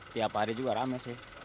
tiap hari juga rame sih